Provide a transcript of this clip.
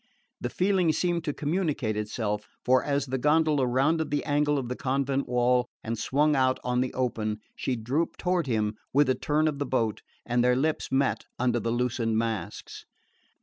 The feeling seemed to communicate itself; for as the gondola rounded the angle of the convent wall and swung out on the open, she drooped toward him with the turn of the boat and their lips met under the loosened masks.